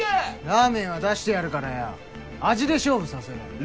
ラーメンは出してやるからよ味で勝負させろよ。